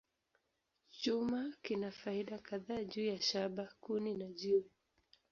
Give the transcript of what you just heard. Chuma kina faida kadhaa juu ya shaba, kuni, na jiwe.